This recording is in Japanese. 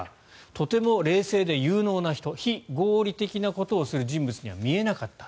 とても冷静で有能な人非合理なことをする人物には見えなかった。